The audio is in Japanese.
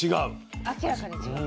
明らかに違う。